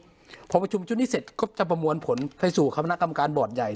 พอประชุมชุดนี้เสร็จก็จะประมวลผลไปสู่คณะกรรมการบอร์ดใหญ่